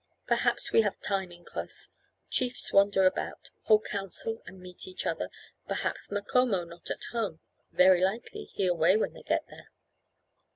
But perhaps we have time, incos. Chiefs wander about, hold council and meet each other; perhaps Macomo not at home, very likely he away when they get there."